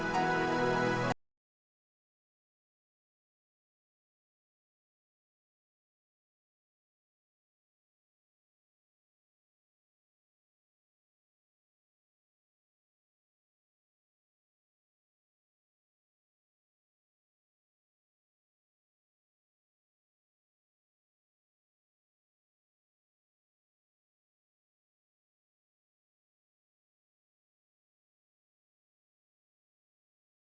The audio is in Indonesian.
paling sebentar lagi elsa keluar